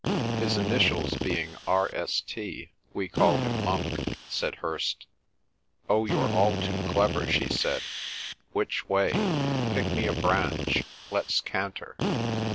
"His initials being R. S. T., we call him Monk," said Hirst. "Oh, you're all too clever," she said. "Which way? Pick me a branch. Let's canter."